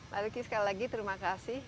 pak lucky sekali lagi terima kasih